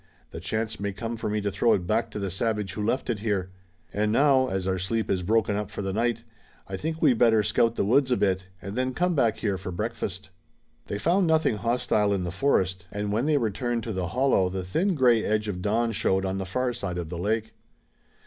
"The chance may come for me to throw it back to the savage who left it here. And now, as our sleep is broken up for the night, I think we'd better scout the woods a bit, and then come back here for breakfast." They found nothing hostile in the forest, and when they returned to the hollow the thin gray edge of dawn showed on the far side of the lake.